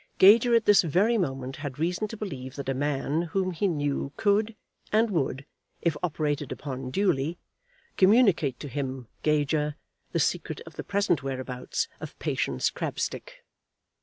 Gager at this very moment had reason to believe that a man whom he knew could, and would, if operated upon duly, communicate to him, Gager, the secret of the present whereabouts of Patience Crabstick!